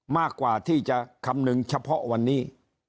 มากกว่าที่จะคำนึงเฉพาะวันนี้